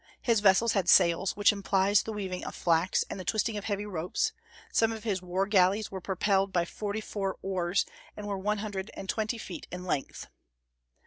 His vessels had sails, which implies the weaving of flax and the twisting of heavy ropes; some of his war galleys were propelled by forty four oars, and were one hundred and twenty feet in length.